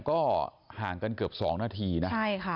ก็ห่างกันเกือบสองนาทีนะ